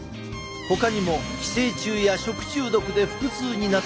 ほかにも「寄生虫や食中毒で腹痛になった」